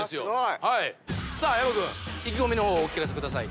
さあ薮君意気込みの方をお聞かせください。